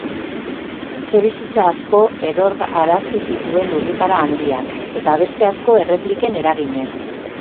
Etxebizitza asko erorarazi zituen lurrikara handiak, eta beste asko errepliken eraginez.